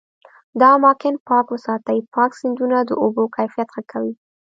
دا اماکن پاک وساتي، پاک سیندونه د اوبو کیفیت ښه کوي.